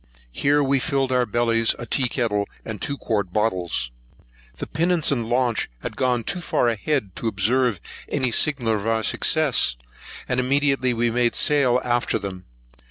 Here we filled our bellies, a tea kettle, and two quart bottles. The pinnace and launch had gone too far ahead to observe any signal of our success; and immediately we made sail after them.